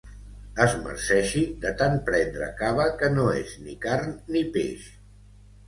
Es marceixi de tant prendre cava que no és ni carn ni peix.